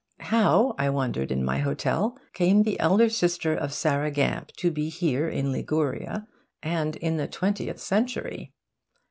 How, I wondered in my hotel, came the elder sister of Sarah Gamp to be here in Liguria and in the twentieth century?